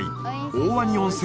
大鰐温泉